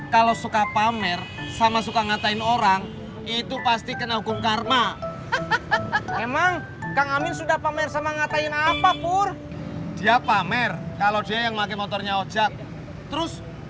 kok lu ngatain fisik lu